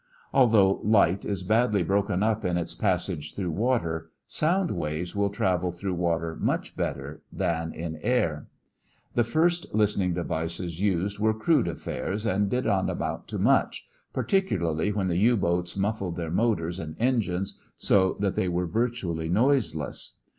Although light is badly broken up in its passage through water, sound waves will travel through water much better than in air. The first listening devices used were crude affairs and did not amount to much, particularly when the U boats muffled their motors and engines so that they were virtually noiseless.